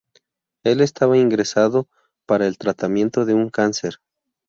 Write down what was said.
Él estaba ingresado para el tratamiento de un cáncer.